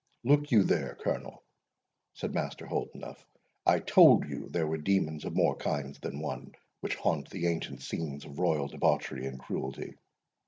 "Look you there, Colonel," said Master Holdenough, "I told you there were demons of more kinds than one, which haunt the ancient scenes of royal debauchery and cruelty."